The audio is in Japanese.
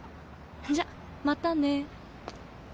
じゃまたね。